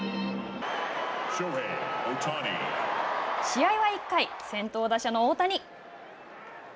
試合は１回、先頭打者の大谷。